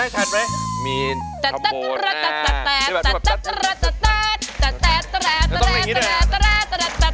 คาดไหมคาดไหม